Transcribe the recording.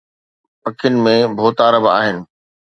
پکين ۾ ڀوتار به آهن